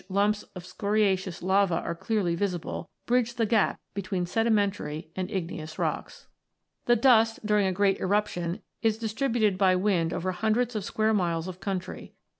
lumps of scoriaceous lava are clearly visible, bridge the gap between sedimentary and igneous rocks. 112 ROCKS AND THEIR ORIGINS [CH. The dust, during a great eruption, is distributed by wind over hundreds of square miles of countiy.